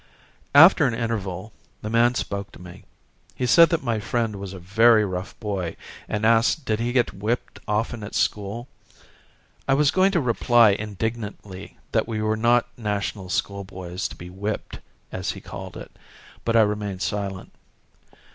After an interval the man spoke to me. He said that my friend was a very rough boy and asked did he get whipped often at school. I was going to reply indignantly that we were not National School boys to be whipped, as he called it; but I remained silent.